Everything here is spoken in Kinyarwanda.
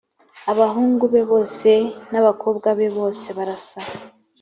abahungu be bose n’abakobwa be bose barasa